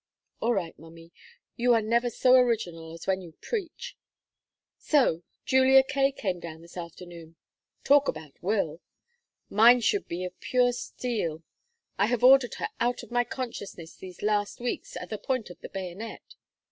"All right, mummy. You are never so original as when you preach. So Julia Kaye came down this afternoon? Talk about will. Mine should be of pure steel; I have ordered her out of my consciousness these last weeks at the point of the bayonet.